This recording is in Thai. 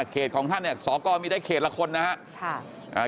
เขตของท่านศกมีได้เขตละคนนะครับ